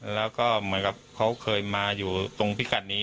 แล้วก็เหมือนกับเขาเคยมาอยู่ตรงพิกัดนี้